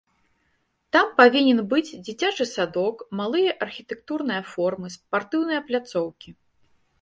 Там павінен быць дзіцячы садок, малыя архітэктурныя формы, спартыўныя пляцоўкі.